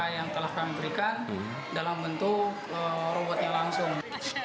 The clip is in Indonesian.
dan kita yang telah kami berikan dalam bentuk robotnya langsung